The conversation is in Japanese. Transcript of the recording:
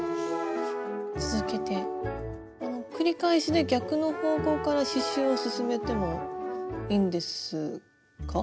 続けて繰り返しで逆の方向から刺しゅうを進めてもいいんですか？